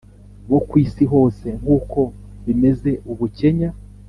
bo ku isi hose nk uko bimeze ubu Kenya